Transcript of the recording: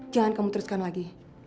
jangan kamu teruskan lagi